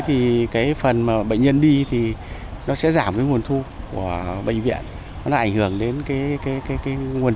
thì cái phần mà bệnh nhân đi thì nó sẽ giảm cái nguồn thu của bệnh viện nó là ảnh hưởng đến cái nguồn